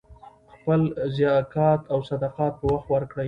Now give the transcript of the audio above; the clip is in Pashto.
خپل زکات او صدقات په وخت ورکړئ.